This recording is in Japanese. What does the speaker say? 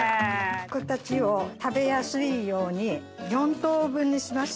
ふくたちを食べやすいように４等分にします。